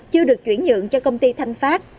chưa được chuyển nhượng cho công ty thanh pháp